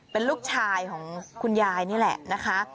เป็นลูกชายของคุณยายนี่แหละนะคะ